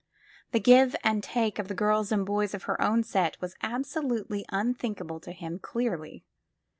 The give and take of the girls and boys of her own set was absolutely unthink able to him, clearly.